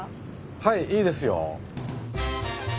はいいいですよ。